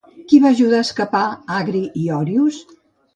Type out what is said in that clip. Qui va ajudar a escapar Àgri i Òrios?